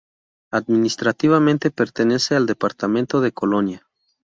Administrativamente, pertenece al departamento de Colonia.